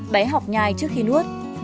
bé học nhai trước khi nuốt